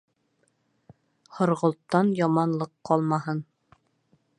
Һорғолттан яманлыҡ ҡалмаһын...